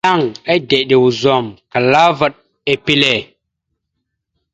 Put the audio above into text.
Yan edeɗa ozum klaa vaɗ epile.